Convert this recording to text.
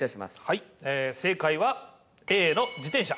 はい正解はＡの自転車。